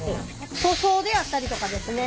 塗装であったりとかですね